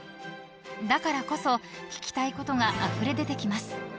［だからこそ聞きたいことがあふれ出てきます］